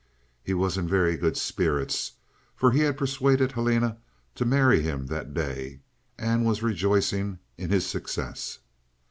He was in very good spirits, for he had persuaded Helena to marry him that day month, and was rejoicing in his success.